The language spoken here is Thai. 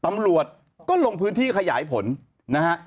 ตำรวจก็ลงพื้นที่ขยายผลนะฮะ